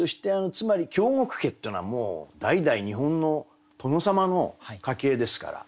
つまり京極家っていうのはもう代々日本の殿様の家系ですから。